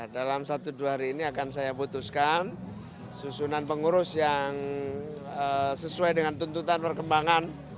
dalam satu dua hari ini akan saya putuskan susunan pengurus yang sesuai dengan tuntutan perkembangan